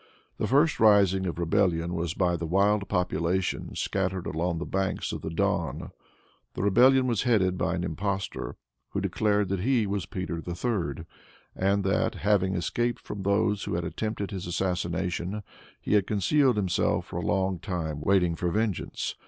The first rising of rebellion was by the wild population scattered along the banks of the Don. The rebellion was headed by an impostor, who declared that he was Peter III., and that, having escaped from those who had attempted his assassination, he had concealed himself for a long time, waiting for vengeance.